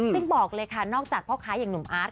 ซึ่งบอกเลยค่ะนอกจากพ่อค้าอย่างหนุ่มอาร์ต